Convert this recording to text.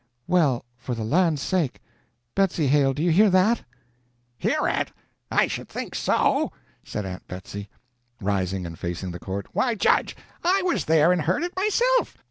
"Well, for the land's sake! Betsy Hale, do you hear that?" "Hear it? I should think so," said Aunt Betsy, rising and facing the court. "Why, Judge, I was there and heard it myself.